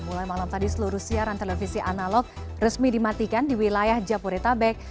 mulai malam tadi seluruh siaran televisi analog resmi dimatikan di wilayah jabodetabek